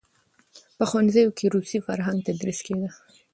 په ښوونځیو کې روسي فرهنګ تدریس کېده.